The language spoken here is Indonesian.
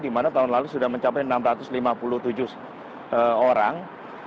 di mana tahun lalu sudah mencapai enam ratus lima puluh tujuh orang